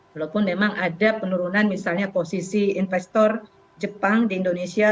walaupun memang ada penurunan misalnya posisi investor jepang di indonesia